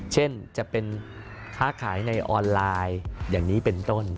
เช่นจะเป็นค้าขายในออนไลน์อย่างนี้เป็นต้น